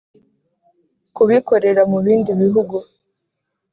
Kubikorera mu bindi bihugu